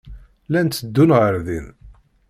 Llan tteddun ɣer din.